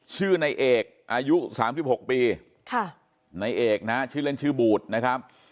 ชื่อในเอกอายุ๓๖ปีในเอกนะฮะชื่อเล่นชื่อบูดนะครับ